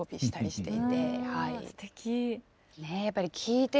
すてき！